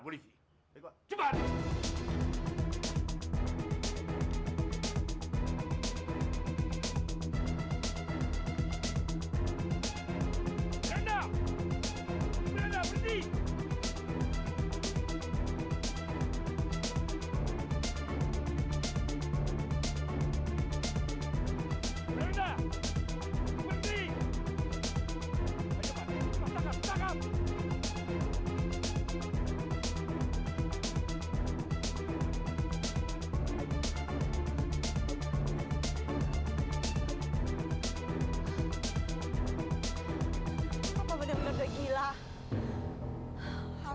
kita kita tinggalkan saja dia